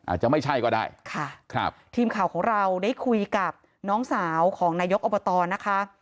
อาจจะไม่ใช่ก็ได้ค่ะครับทีมข่าวของเราได้คุยกับน้องสาวของนายกอบตนะคะ